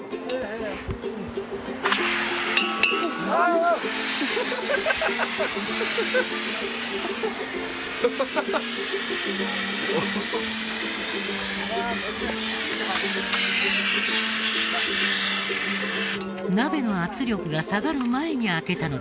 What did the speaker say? うどんは鍋の圧力が下がる前に開けたので大噴射。